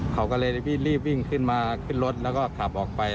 เขาก็เลยรีบวิ่งขึ้นมาขึ้นรถแล้วก็ขับออกไป